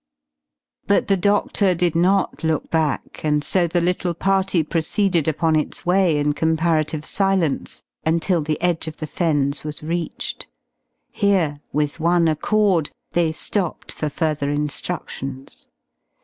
But the doctor did not look back, and so the little party proceeded upon its way in comparative silence until the edge of the Fens was reached. Here, with one accord, they stopped for further instructions.